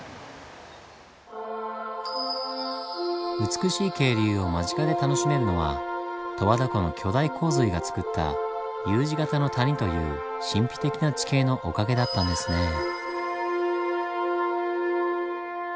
美しい渓流を間近で楽しめるのは十和田湖の巨大洪水がつくったＵ字形の谷という神秘的な地形のおかげだったんですねぇ。